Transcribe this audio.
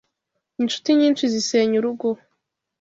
Incuti nyinshi zisenya urugo